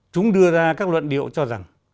chúng đưa ra các luận điệu cho rằng